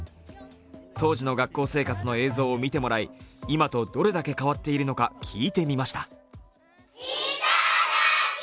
当時の学校生活の映像を見てもらい今とどれだけ変わっているのか聞いてみました。